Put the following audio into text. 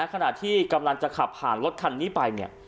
ขณะที่กำลังจะขับผ่านรถคันนี้ไปเนี่ย